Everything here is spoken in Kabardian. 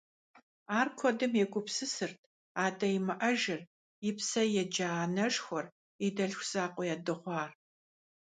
Ар куэдым егупсысырт: адэ имыӀэжыр, и псэ еджэ анэшхуэр, и дэлъху закъуэ ядыгъуар.